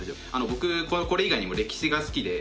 僕これ以外にも歴史が好きで。